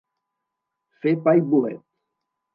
Fer pa i bolet.